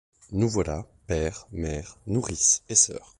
Nous voilà, père, mère, nourrice et soeur.